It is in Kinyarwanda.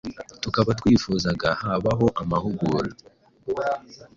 tukaba twifuzaga habaho amahugura